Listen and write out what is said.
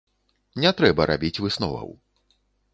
Не трэба рабіць высноваў.